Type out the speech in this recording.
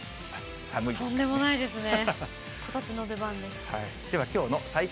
とんでもないですね。